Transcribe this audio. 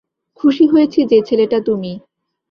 খুশি হয়েছি যে ছেলেটা তুমি।